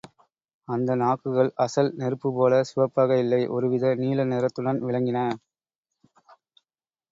அந்த நாக்குகள் அசல் நெருப்புப் போல சிவப்பாக இல்லை, ஒரு வித நீல நிறத்துடன் விளங்கின.